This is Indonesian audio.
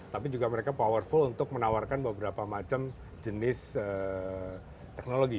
tapi juga mereka powerful untuk menawarkan beberapa macam jenis teknologi